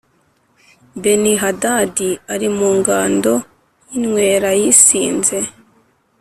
BeniHadadi ari mu ngando yinywera yasinze